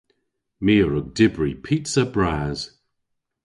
My a wrug dybri pizza bras.